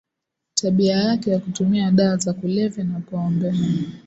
Tabia yake ya kutumia dawa za kulevya na pombe